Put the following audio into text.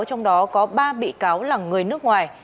trong đó có ba bị cáo là người nước ngoài